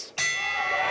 tidak ada yang bisa mencari